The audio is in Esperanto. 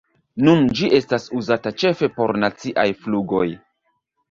Nun ĝi estas uzata ĉefe por naciaj flugoj.